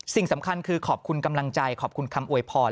สิ่งสำคัญคือขอบคุณกำลังใจขอบคุณคำอวยพร